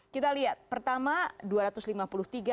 kita lihat pertama dua ratus lima puluh tiga